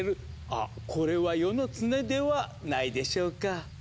あこれは世の常ではないでしょうか？